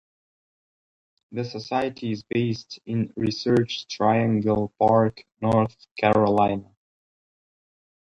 The Society is based in Research Triangle Park, North Carolina.